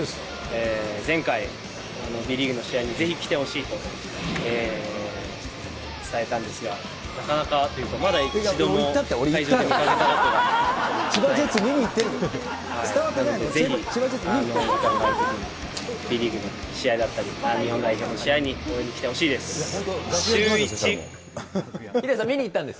前回、Ｂリーグの試合にぜひ来てほしいと伝えたんですが、なかなかっていうか、まだ一度も会場で見かけたことがないかなと思うんで、ぜひお時間があるときにＢリーグの試合だったり、日本代表の試合に応援に来てほしいです。